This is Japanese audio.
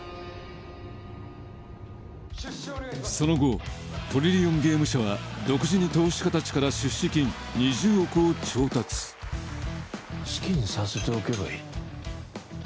その後トリリオンゲーム社は独自に投資家達から出資金２０億を調達好きにさせておけばいい